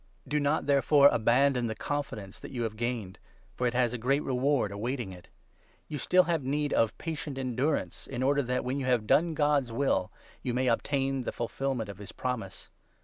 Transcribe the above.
Do 35 not, therefore, abandon the confidence that you have gained, for it has a great reward awaiting it. You still have need of 36 patient endurance, in order that, when you have done God's will, you may obtain the fulfilment of his promise.